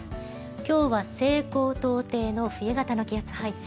今日は西高東低の冬型の気圧配置。